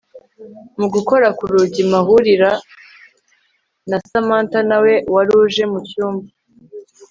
mu gukora kurugi mpahurira na Samantha nawe wari uje mu cyumba